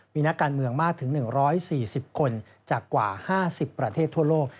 มีนักการเมืองมากถึง๑๔๐คนจากกว่า๕๐ประเทศทั่วโลก